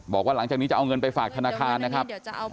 บอกว่าหลังจากนี้จะเอาเงินไปฝากธนาคารนะครับ